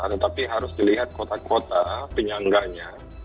tetapi harus dilihat kota kota penyangganya